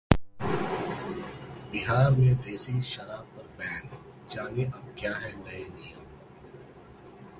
बिहार में देसी शराब पर बैन, जानें अब क्या हैं नए नियम?